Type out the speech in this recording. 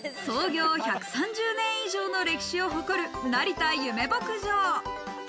創業１３０年以上の歴史を誇る成田ゆめ牧場。